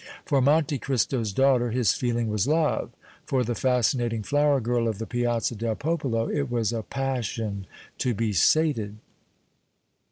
For Monte Cristo's daughter his feeling was love, for the fascinating flower girl of the Piazza del Popolo it was a passion to be sated.